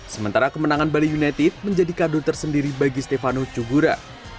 sementara kemenangan bali united menjadi kado tersendiri bagi stefano cugura